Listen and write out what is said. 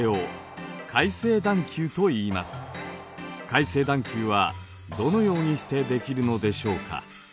海成段丘はどのようにしてできるのでしょうか。